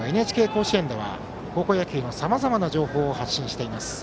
「ＮＨＫ甲子園」では高校野球のさまざまな情報を発信しています。